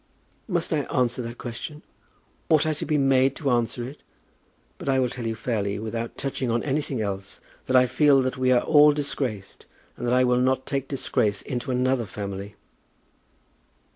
"Must I answer that question? Ought I to be made to answer it? But I will tell you fairly, without touching on anything else, that I feel that we are all disgraced, and that I will not take disgrace into another family."